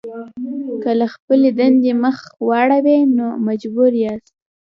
که له خپلې دندې مخ واړوئ نو مجبور یاست.